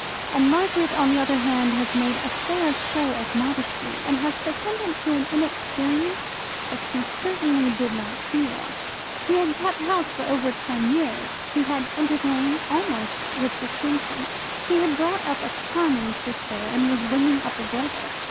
And Margaret, on the other hand, has made a fair show of modesty, and has pretended to an inexperience that she certainly did not feel. She had kept house for over ten years; she had entertained, almost with distinction; she had brought up a charming sister, and was bringing up a brother.